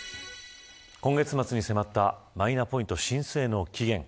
今月末に迫ったマイナポイント申請の期限。